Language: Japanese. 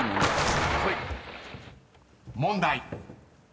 ［問題］